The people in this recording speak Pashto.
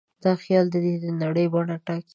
دا خیال د ده د نړۍ بڼه ټاکي.